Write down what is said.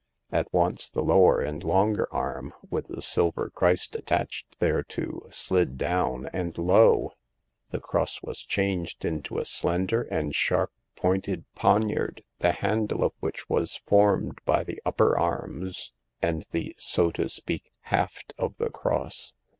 At once the lower and longer arm, with the silver Christ attached thereto, slid down, and lo ! the cross was changed into a slender and, sharp pointed poniard, the handle of which was formed by the upper arms and the, so to speak, haft of the cross.